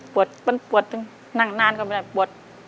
ปวดตึงนานก็ไม่ได้ปวด